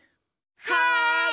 はい。